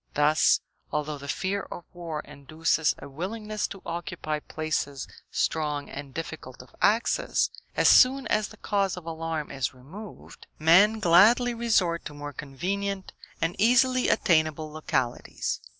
Thus, although the fear of war induces a willingness to occupy places strong and difficult of access, as soon as the cause of alarm is removed, men gladly resort to more convenient and easily attainable localities.